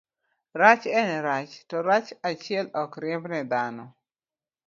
Rach en rach, to rach achiel ok riembne dhano.